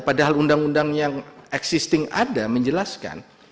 padahal undang undang yang existing ada menjelaskan